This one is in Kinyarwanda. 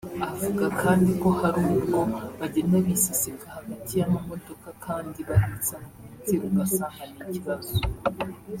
Avuga kandi ko hari ubwo bagenda biseseka hagati y’amamodoka kandi bahetse abagenzi ugasanga ni ikibazo